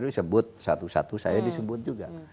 disebut satu satu saya disebut juga